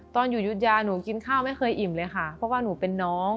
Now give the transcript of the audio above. ตอนอยู่ยุธยาหนูกินข้าวไม่เคยอิ่มเลยค่ะเพราะว่าหนูเป็นน้อง